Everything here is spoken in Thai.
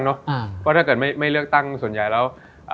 เพราะถ้าเกิดไม่เลือกตั้งส่วนใหญ่แล้ว